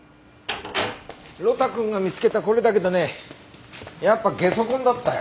呂太くんが見つけたこれだけどねやっぱゲソ痕だったよ。